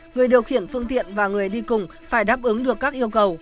người điều khiển phương tiện và người đi cùng phải đáp ứng được các yêu cầu